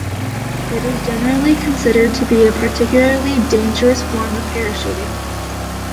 It is generally considered to be a particularly dangerous form of parachuting.